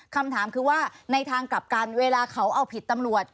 คำถามคือว่าในทางกลับกันเวลาเขาเอาผิดตำรวจ